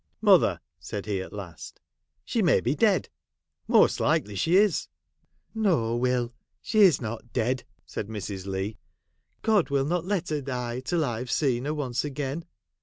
' Mother !' said he at last. ' She may be dead. Most likely she is.' ' No, Will ; she is not dead,' said Mrs. Leigh. ' God will not let her die till I Ve seen her once again.